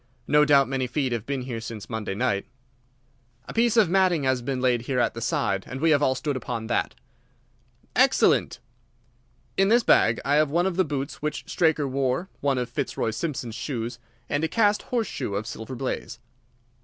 No doubt many feet have been here since Monday night." "A piece of matting has been laid here at the side, and we have all stood upon that." "Excellent." "In this bag I have one of the boots which Straker wore, one of Fitzroy Simpson's shoes, and a cast horseshoe of Silver Blaze."